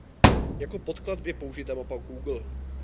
Jako podklad je použita mapa Google.